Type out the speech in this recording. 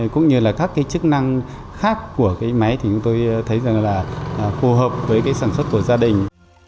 cũng như là các cái chức năng khác của cái máy thì chúng tôi thấy rằng là phù hợp với cái sản xuất của gia đình